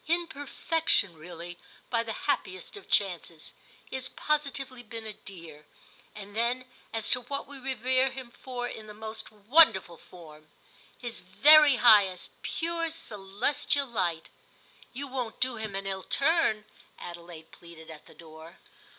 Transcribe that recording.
"In perfection, really, by the happiest of chances: he has positively been a dear. And then, as to what we revere him for, in the most wonderful form. His very highest—pure celestial light. You won't do him an ill turn?" Adelaide pleaded at the door.